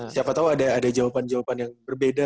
siapa tahu ada jawaban jawaban yang berbeda